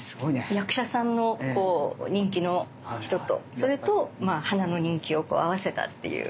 役者さんの人気の人とそれと花の人気を合わせたっていう。